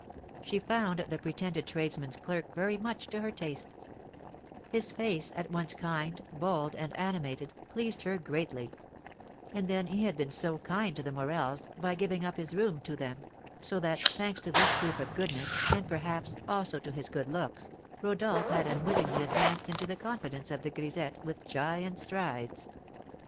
She found the pretended tradesman's clerk very much to her taste; his face, at once kind, bold, and animated, pleased her greatly; and then he had been so kind to the Morels, by giving up his room to them; so that, thanks to this proof of goodness, and, perhaps, also to his good looks, Rodolph had unwittingly advanced into the confidence of the grisette with giant strides.